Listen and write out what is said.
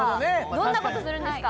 どんな事するんですか？